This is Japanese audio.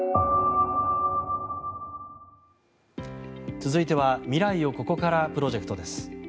続いては未来をここからプロジェクトです。